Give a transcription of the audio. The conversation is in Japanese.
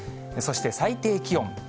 そして最低気温。